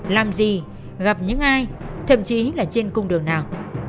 làm gì gặp những ai thậm chí là trên cung đường nào